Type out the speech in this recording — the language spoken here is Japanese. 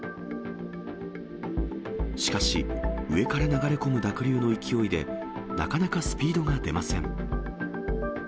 しかし、上から流れ込む濁流の勢いで、なかなかスピードが出ません。